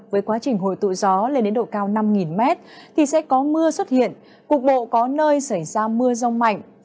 với quá trình hồi tụ gió lên đến độ cao năm m thì sẽ có mưa xuất hiện cuộc bộ có nơi xảy ra mưa rong mạnh